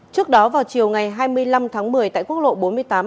trước đó vào chiều ngày hai mươi năm tháng một mươi tại quốc lộn